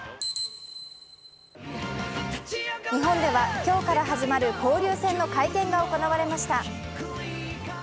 日本では今日から始まる交流戦の会見が行われました。